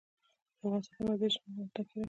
افغانستان په مزارشریف باندې تکیه لري.